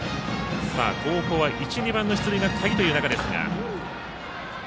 東邦は１、２番の出塁が鍵という中ですが。